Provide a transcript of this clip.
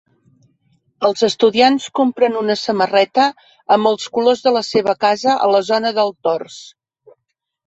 Els estudiants compren una samarreta amb els colors de la seva casa a la zona del tors.